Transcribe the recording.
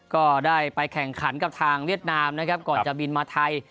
ก็ได้ไปแข่งขันกับทางเวียดนามนะครับก่อนจะบินมาไทย